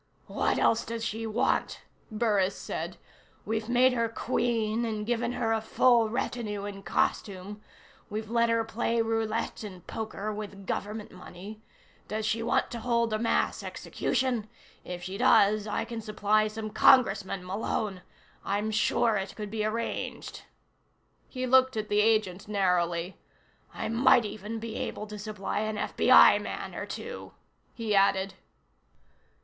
"What else does she want?" Burris said. "We've made her Queen and given her a full retinue in costume; we've let her play roulette and poker with Government money. Does she want to hold a mass execution? If she does, I can supply some Congressmen, Malone. I'm sure it could be arranged." He looked at the agent narrowly. "I might even be able to supply an FBI man or two," he added.